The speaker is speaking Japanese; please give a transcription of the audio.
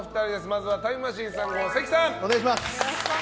まずはタイムマシーン３号・関さん！